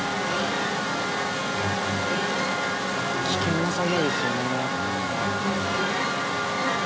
危険な作業ですよね。